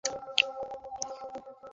শহরটি মূল্যবান পাথরের জন্য বিখ্যাত।